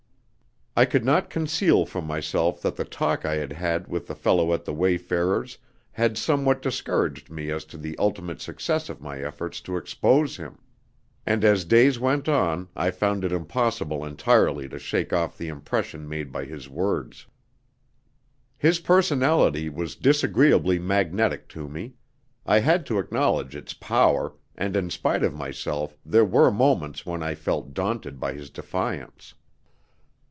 I could not conceal from myself that the talk I had had with the fellow at the Wayfarers' had somewhat discouraged me as to the ultimate success of my efforts to expose him, and as days went on I found it impossible entirely to shake off the impression made by his words. His personality was disagreeably magnetic to me. I had to acknowledge its power, and in spite of myself there were moments when I felt daunted by his defiance.